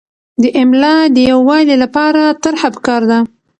د املاء د یووالي لپاره طرحه پکار ده.